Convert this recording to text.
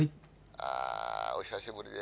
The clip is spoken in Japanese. あーお久しぶりです。